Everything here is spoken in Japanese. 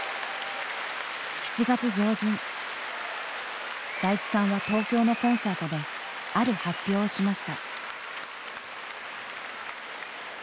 ７月上旬財津さんは東京のコンサートである発表をしました。